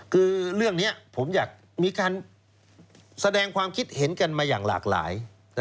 คือเรื่องนี้ผมอยากมีการแสดงความคิดเห็นกันมาอย่างหลากหลาย